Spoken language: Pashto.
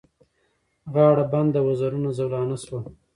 غاړه بنده وزرونه زولانه سوه